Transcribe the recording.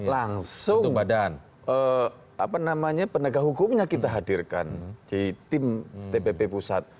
langsung penegak hukumnya kita hadirkan di tim tpp pusat